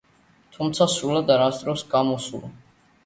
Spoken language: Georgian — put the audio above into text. თუმცა სრულად არასდროს გამოსულა.